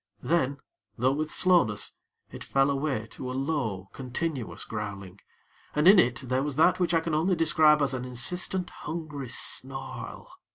Then, though with slowness, it fell away to a low, continuous growling, and in it there was that which I can only describe as an insistent, hungry snarl.